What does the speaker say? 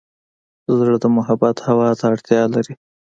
زړه د محبت هوا ته اړتیا لري.